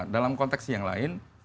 dalam konteks yang lain